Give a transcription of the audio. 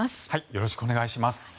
よろしくお願いします。